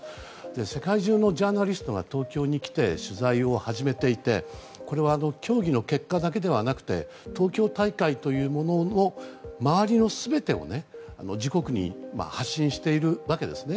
世界中のジャーナリストが東京に来て取材を始めていてこれは競技の結果だけではなくて東京大会というものの周りの全てを自国に発信しているわけですね。